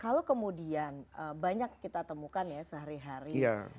kalau kemudian banyak kita temukan ya sehari hari